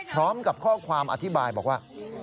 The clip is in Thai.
พร้อมกับข้อความอธิบายบอกว่า